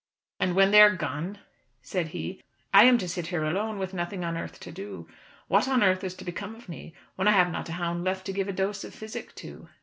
"And when they are gone," said he, "I am to sit here alone with nothing on earth to do. What on earth is to become of me when I have not a hound left to give a dose of physic to?"